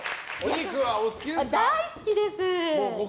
大好きです。